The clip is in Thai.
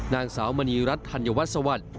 นางสาวมณีรัฐธัญวัสสวรรค์